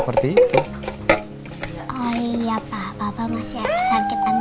ketika papa di rumah narcissus kan